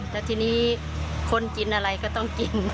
แล้วทีนี้คนกินอะไรก็ต้องกิน